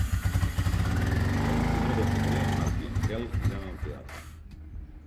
El vint-i-nou de febrer en Marc i en Quel iran al teatre.